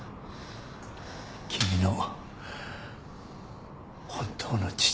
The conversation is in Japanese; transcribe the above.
君の本当の父親だ。